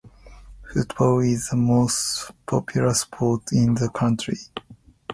Football is the most popular sport in the country.